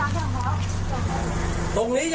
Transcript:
อาก็น่ากลมไปซะ